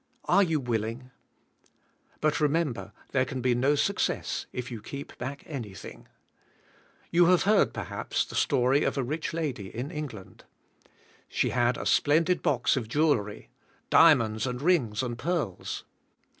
Are jou willing? But remember, there can be no success if you keep back anything. You have, perhaps, heard the story of a rich lady, in England. She had a splen did box of jewelry — diamonds and rings and pearls.